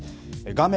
画面